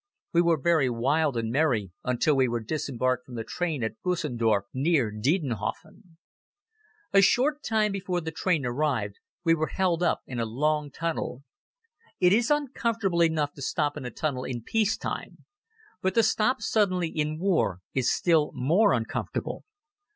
We were very wild and merry until we were disembarked from the train at Busendorf, near Diedenhofen. A short time before the train arrived we were held up in a long tunnel. It is uncomfortable enough to stop in a tunnel in peace time, but to stop suddenly in war is still more uncomfortable.